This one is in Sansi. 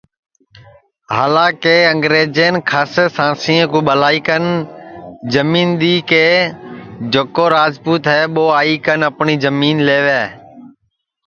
ہالا کے انگرجین کھاسے سانسیں کُو ٻلائی کن جمین دؔی کہ جکو راجپوت ہے ٻو آئی کن اپٹؔی جمین لیوئے